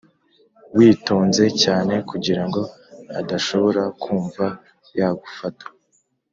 witonze cyane kugirango adashobora kumva yagufata,